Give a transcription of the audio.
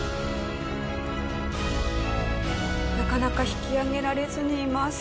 なかなか引き上げられずにいます。